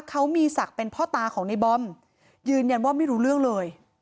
เขามีศักดิ์เป็นพ่อตาของในบอมยืนยันว่าไม่รู้เรื่องเลย